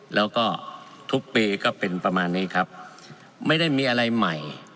แล้วก็ทุกปีก็เป็นประมาณนี้ครับไม่ได้มีอะไรใหม่